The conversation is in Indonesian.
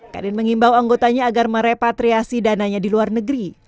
kadin mengimbau anggotanya agar merepatriasi dananya di luar negeri